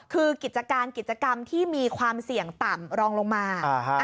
คือกิจการกิจกรรมที่มีความเสี่ยงต่ำรองลงมา